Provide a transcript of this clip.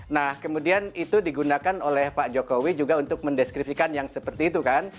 nah kemudian itu digunakan oleh pak jokowi juga untuk mendeskripsikan yang seperti itu kan